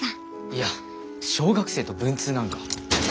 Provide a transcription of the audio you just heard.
いや小学生と文通なんか。